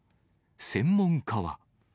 専門家は。